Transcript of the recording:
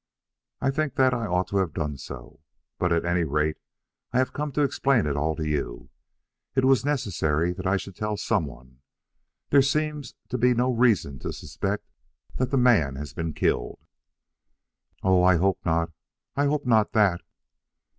"I think that I ought to have done so. But at any rate I have come to explain it all to you. It was necessary that I should tell some one. There seems to be no reason to suspect that the man has been killed." "Oh, I hope not; I hope not that."